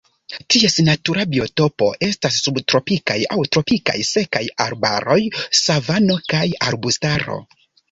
Ties natura biotopo estas subtropikaj aŭ tropikaj sekaj arbaroj, savano kaj arbustaro.